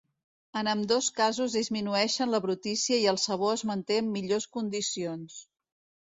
En ambdós casos disminueixen la brutícia i el sabó es manté en millors condicions.